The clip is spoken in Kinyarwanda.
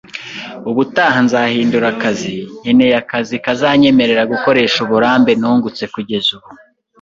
Ubutaha nzahindura akazi, nkeneye akazi kazanyemerera gukoresha uburambe nungutse kugeza ubu